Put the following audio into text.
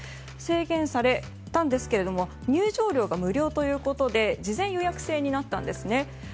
制限されたんですが入場料が無料ということで事前予約制になったんですね。